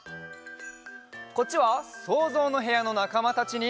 こっちは「そうぞうのへや」のなかまたちに。